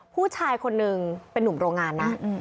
ผู้ชายคนนึงเป็นนุ่มโรงงานนะ